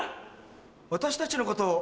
私たちのこと。